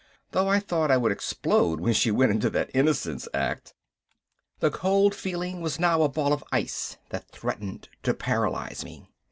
Though I thought I would explode when she went into that innocence act!" The cold feeling was now a ball of ice that threatened to paralyze me.